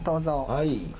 はい。